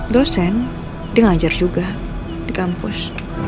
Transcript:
dosen dia ngajar juga di kampus